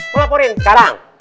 gue laporin sekarang